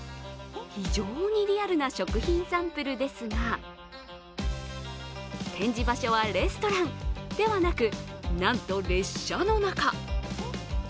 非常にリアルな食品サンプルですが、展示場所はレストランではなくなんと列車の中。